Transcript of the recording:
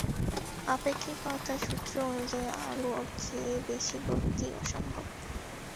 আপেক্ষিকতার সূত্র অনুযায়ী আলোর চেয়ে বেশি গতি অসম্ভব।